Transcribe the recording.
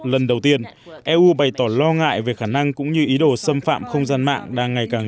lần đầu tiên eu bày tỏ lo ngại về khả năng cũng như ý đồ xâm phạm không gian mạng đang ngày càng